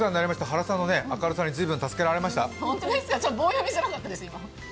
原さんの明るさに随分助けられました。